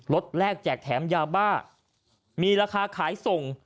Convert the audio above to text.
แรกแจกแถมยาบ้ามีราคาขายส่ง